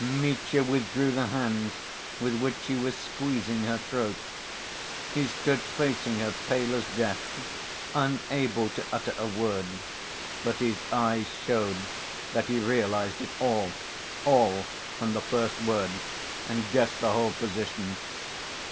Mitya withdrew the hands with which he was squeezing her throat. He stood facing her, pale as death, unable to utter a word, but his eyes showed that he realized it all, all, from the first word, and guessed the whole position.